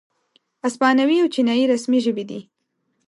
اسپانوي او چینایي رسمي ژبې دي.